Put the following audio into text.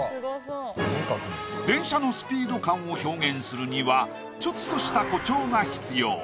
電車のスピード感を表現するにはちょっとした誇張が必要。